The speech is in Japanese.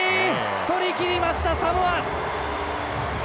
取りきりました、サモア！